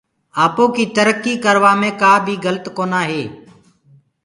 آپو ڪيٚ ترڪيٚ ڪروآ مي ڪآبي گلت ڪونآ هي۔